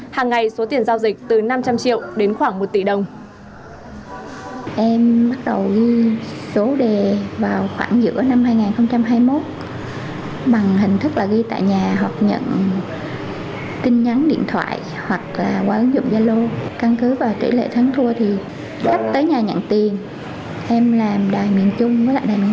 hàng ngày số tiền giao dịch từ năm trăm linh triệu đến khoảng một tỷ đồng